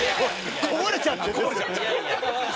「こぼれちゃって」です！